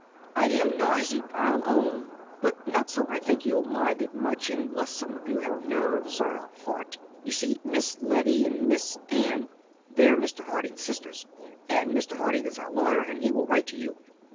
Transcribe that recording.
I AM noisy, I'll own, but not so I think you'll mind it much unless some of you have 'nerves' or a 'heart.' You see, Miss Letty and Miss Ann they're Mr. Harding's sisters, and Mr. Harding is our lawyer, and he will write to you.